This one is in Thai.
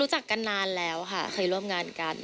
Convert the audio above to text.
รู้จักกันนานแล้วค่ะเคยร่วมงานกัน